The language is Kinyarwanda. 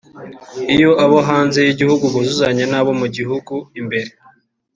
iyo abo hanze y’igihugu buzuzanya n’abo mu gihugu imbere